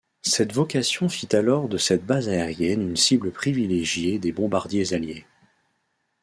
Cette vocation fit alors de cette base aérienne une cible privilégiée des bombardiers alliés.